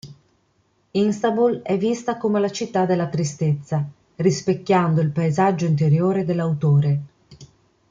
Istanbul è vista come la città della tristezza, rispecchiando il paesaggio interiore dell'autore.